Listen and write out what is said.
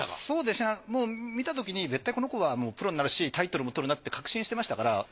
そうですね見たときに絶対この子はプロになるしタイトルもとるなって確信してましたから。